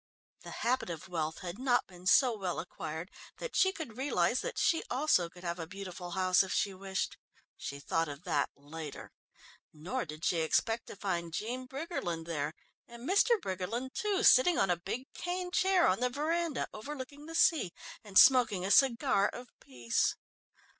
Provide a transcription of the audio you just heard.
The habit of wealth had not been so well acquired that she could realise that she also could have a beautiful house if she wished she thought of that later. Nor did she expect to find Jean Briggerland there, and Mr. Briggerland too, sitting on a big cane chair on the veranda overlooking the sea and smoking a cigar of peace.